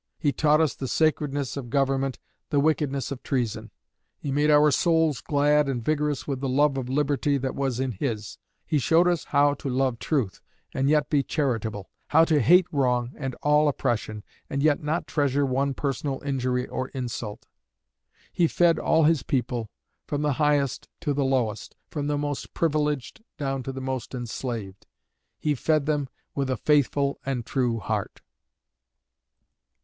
He taught us the sacredness of government, the wickedness of treason. He made our souls glad and vigorous with the love of Liberty that was in his. He showed us how to love truth, and yet be charitable; how to hate wrong and all oppression, and yet not treasure one personal injury or insult. He fed all his people, from the highest to the lowest, from the most privileged down to the most enslaved. 'He fed them with a faithful and true heart.'"